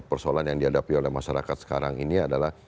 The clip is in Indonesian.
persoalan yang dihadapi oleh masyarakat sekarang ini adalah